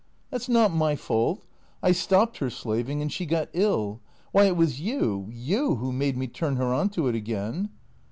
" That 's not my fault. I stopped her slaving and she got ill. Wliy, it was you — you — who made mo turn her on to it again."